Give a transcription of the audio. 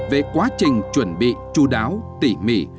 về quá trình chuẩn bị chú đáo tỉ mỉ